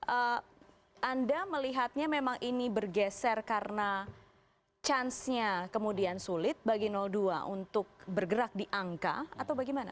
eee anda melihatnya memang ini bergeser karena chance nya kemudian sulit bagi dua untuk bergerak di angka atau bagaimana